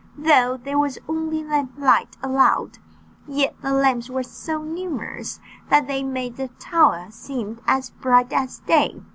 Though there was only lamp light allowed, yet the lamps were so numerous, that they made the tower seem as bright as day.